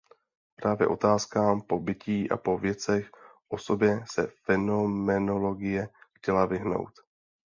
Právě otázkám po bytí a po „věcech o sobě“ se fenomenologie chtěla vyhnout.